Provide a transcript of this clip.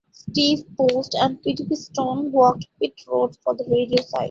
Steve Post and Pete Pistone worked pit road for the radio side.